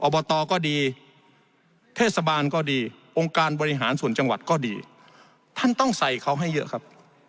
อบตก็ดีเทศบาลก็ดีองค์การบริหารส่วนจังหวัดก็ดีท่านต้องใส่เขาให้เยอะครับ